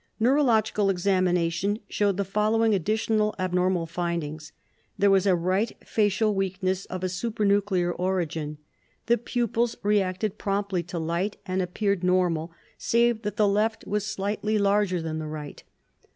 Neurological examination showed the following additional abnormal findings: There was a right facial weakness of a supranuclear origin. The pupils reacted promptly to light, and appeared normal, save that the left was slightly larger than the right.